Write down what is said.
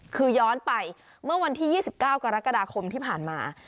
คือย้อนไปเมื่อวันที่๒๙กรกฎาคมที่ผ่านมา